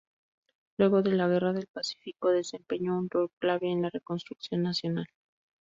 Luego de la Guerra del Pacífico, desempeñó un rol clave en la Reconstrucción Nacional.